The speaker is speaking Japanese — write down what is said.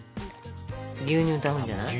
牛乳と合うんじゃない？